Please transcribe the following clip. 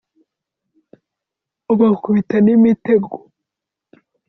ubakubita n’imitego